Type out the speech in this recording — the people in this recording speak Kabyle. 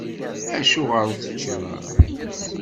Acuɣer ur teččiḍ ara?